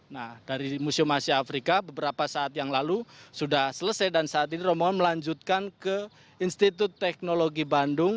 nah dari museum asia afrika beberapa saat yang lalu sudah selesai dan saat ini rombongan melanjutkan ke institut teknologi bandung